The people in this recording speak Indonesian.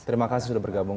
terima kasih sudah bergabung